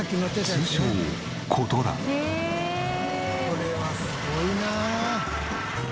これはすごいな。